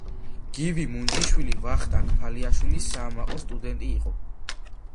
გივი მუნჯიშვილი ვახტანგ ფალიაშვილის საამაყო სტუდენტი იყო.